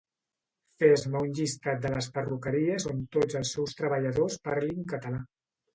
Fes-me un llistat de les perruqueries on tots els seus treballadors parlin català